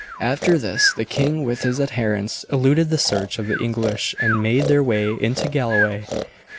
After this the king with his adherents eluded the search of the English and made their way into Galloway.